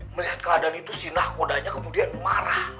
melihat keadaan itu si nahkodanya kemudian marah